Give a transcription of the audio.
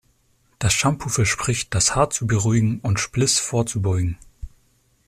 Das Shampoo verspricht das Haar zu beruhigen und Spliss vorzubeugen.